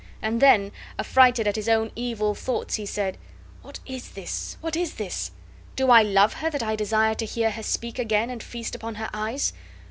And then, affrighted at his own evil thoughts, he said: "What is this? What is this? Do I love her, that I desire to hear her speak again and feast upon her eyes?